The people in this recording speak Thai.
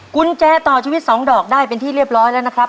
กุญแจต่อชีวิต๒ดอกได้เป็นที่เรียบร้อยแล้วนะครับ